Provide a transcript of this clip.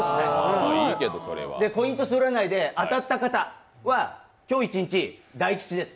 コイントス占いで当たった方は今日一日大吉です。